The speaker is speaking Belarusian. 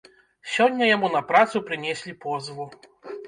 Сёння яму на працу прынеслі позву.